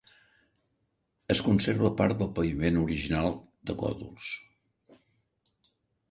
Es conserva part del paviment original de còdols.